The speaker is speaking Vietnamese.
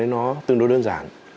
nó tương đối đơn giản